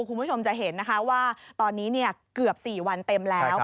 คุณผู้ชมจะเห็นนะคะว่าตอนนี้เกือบ๔วันเต็มแล้ว